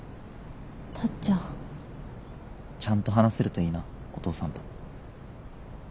タッちゃん。ちゃんと話せるといいなお父さんと。